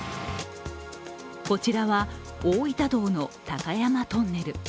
こちらは、大分道の高山トンネル。